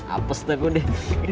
apes tuh gue nih